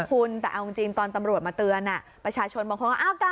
คุณแต่ตอนตำรวจมาเตือนประชาชนบอก